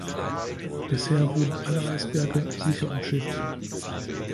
Bisher wurden alle Eisberge sicher umschifft.